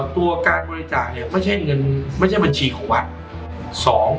ตัวการบริจาคไม่ใช่บัญชีของวัฒน์